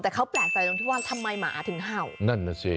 แต่เขาแปลกใจของที่ว่าทำไมหมาถึงเห่า